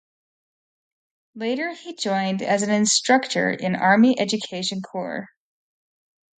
Later he joined as an instructor in Army Education Corps.